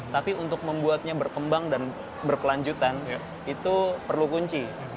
tapi untuk membuatnya berkembang dan berkelanjutan itu perlu kunci